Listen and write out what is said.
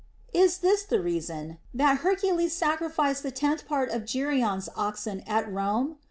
Is this the reason, that Hercules sacrificed the tenth part of Geryon's oxen at Rome